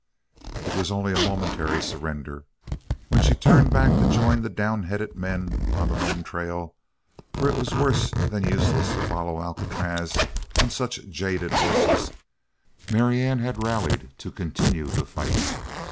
It was only a momentary surrender. When she turned back to join the downheaded men on the home trail for it was worse than useless to follow Alcatraz on such jaded horses Marianne had rallied to continue the fight.